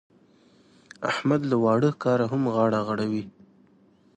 احمد له واړه کاره هم غاړه غړوي.